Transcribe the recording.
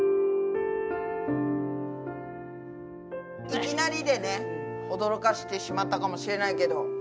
いきなりでね驚かせてしまったかもしれないけど。